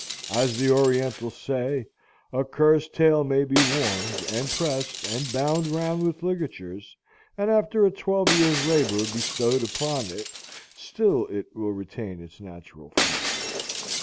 As the Orientals say, "A cur's tail may be warmed, and pressed, and bound round with ligatures, and after a twelve years' labor bestowed upon it, still it will retain its natural form."